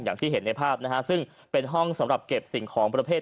อย่างที่เห็นในภาพนะฮะซึ่งเป็นห้องสำหรับเก็บสิ่งของประเภท